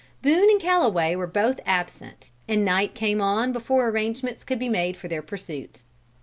Boone and Calloway were both absent, and night came on before arrangements could be made for their pursuit.